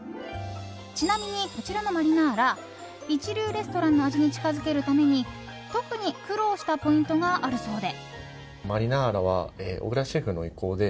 ちなみに、こちらのマリナーラ一流レストランの味に近づけるために特に苦労したポイントがあるそうで。